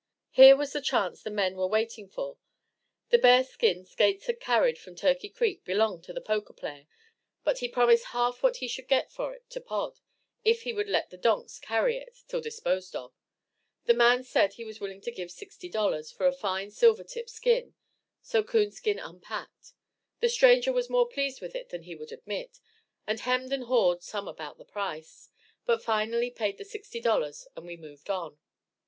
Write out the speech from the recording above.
Here was the chance the men were waiting for. The bearskin Skates had carried from Turkey Creek belonged to the poker player, but he promised half what he should get for it to Pod, if he would let the donks carry it till disposed of. The man said he was willing to give $60 for a fine silvertip skin, so Coonskin unpacked. The stranger was more pleased with it than he would admit, and hemmed and hawed some about the price, but finally paid the $60, and we moved on.